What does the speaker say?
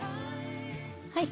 はい。